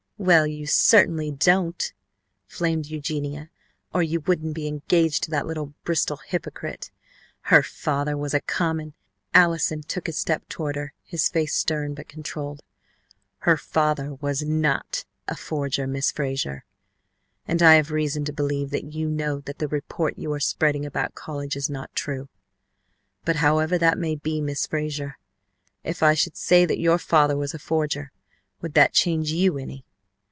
"Well, you certainly don't," flamed Eugenia, "or you wouldn't be engaged to that little Bristol hypocrite. Her father was a common " Allison took a step toward her, his face stern but controlled. "Her father was not a forger, Miss Frazer, and I have reason to believe that you know that the report you are spreading about college is not true. But however that may be, Miss Frazer, if I should say that your father was a forger would that change you any?